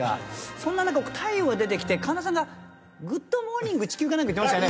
そんな中太陽が出てきて神田さんが「グッドモーニング地球」とか言ってましたよね。